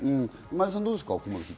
前田さん、どうですか？